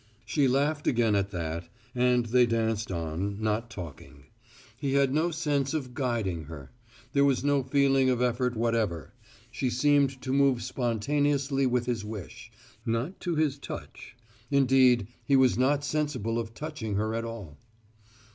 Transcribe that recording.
She laughed again at that, and they danced on, not talking. He had no sense of "guiding" her; there was no feeling of effort whatever; she seemed to move spontaneously with his wish, not to his touch; indeed, he was not sensible of touching her at all.